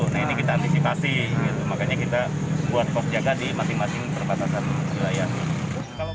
nah ini kita antisipasi makanya kita buat pos jaga di masing masing perbatasan wilayah